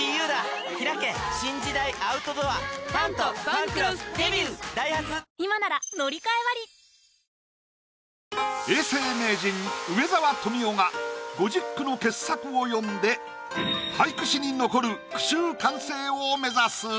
ポリグリップ永世名人梅沢富美男が５０句の傑作を詠んで俳句史に残る句集完成を目指す。